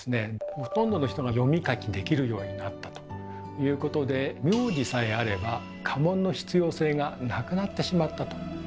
ほとんどの人が読み書きできるようになったということで名字さえあれば家紋の必要性がなくなってしまったと。